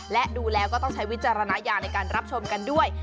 และดูแล้วก็ต้องใช้วิจารณญาณในการรับชมกันด้วย